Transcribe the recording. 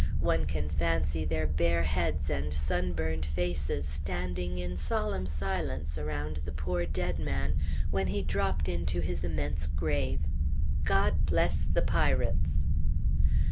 One can fancy their bare heads and sunburned faces standing in solemn silence around the poor dead man when he dropped into his immense grave. God bless the "pirates"!